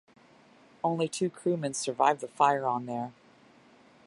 Only two crewmen survived the fire on there.